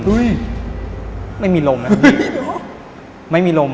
อุ้ยไม่มีลมนะไม่มีลม